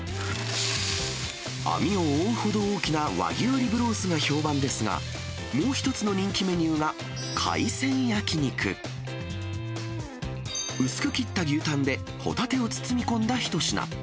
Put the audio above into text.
網を覆うほど大きな和牛リブロースが評判ですが、もう一つの人気メニューが、海鮮焼き肉。薄く切った牛タンで、ホタテを包み込んだ一品。